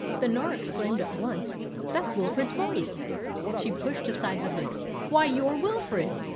Then Norah exclaimed at once, "That's Wilfrid's voice!" She pushed aside the hood. "Why, you're Wilfrid!"